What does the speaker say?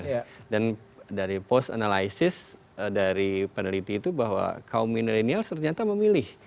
ya dan dari post analysis dari peneliti itu bahwa kaum milenial ternyata memilih